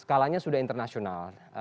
nah skalanya sudah internasional